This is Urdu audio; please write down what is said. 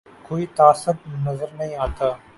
کوئی تعصب نظر نہیں آتا